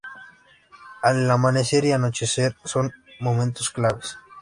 El amanecer y el anochecer son momentos claves.